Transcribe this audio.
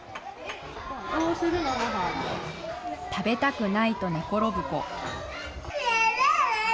食べたくないと寝転ぶ子。